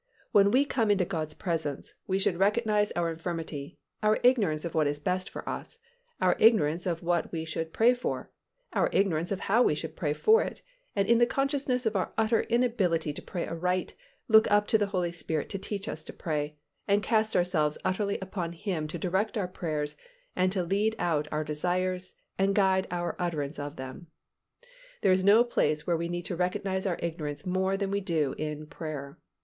When we come into God's presence, we should recognize our infirmity, our ignorance of what is best for us, our ignorance of what we should pray for, our ignorance of how we should pray for it and in the consciousness of our utter inability to pray aright look up to the Holy Spirit to teach us to pray, and cast ourselves utterly upon Him to direct our prayers and to lead out our desires and guide our utterance of them. There is no place where we need to recognize our ignorance more than we do in prayer.